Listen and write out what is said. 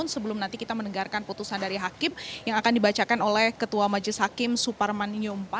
sebelum nanti kita mendengarkan putusan dari hakim yang akan dibacakan oleh ketua majelis hakim suparman yumpa